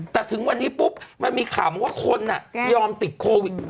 แต่ถึงวันนี้ปุ๊บมันมีข่าวมาว่าคนยอมติดโควิด